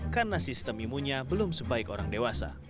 karena sistem imunya belum sebaik orang dewasa